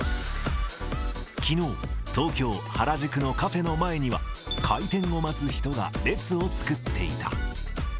きのう、東京・原宿のカフェの前には、開店を待つ人が列を作っていた。